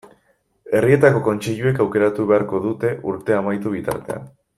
Herrietako kontseiluek aukeratu beharko dute urtea amaitu bitartean.